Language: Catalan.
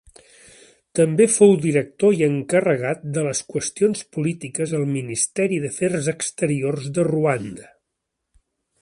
També fou director i encarregat de les qüestions polítiques al Ministeri d'Afers Exteriors de Ruanda.